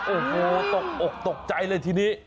โอ้โฮตกใจเลยทีนี้